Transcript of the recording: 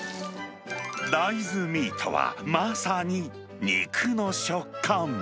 大豆ミートはまさに肉の食感。